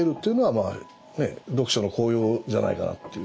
読書の効用じゃないかなっていう。